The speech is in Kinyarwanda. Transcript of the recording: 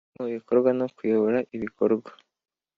Gushyira mu bikorwa no kuyobora ibikorwa